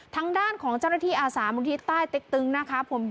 ทางด้านของเจ้าหน้าที่อาสามูลที่ใต้เต็กตึงนะคะ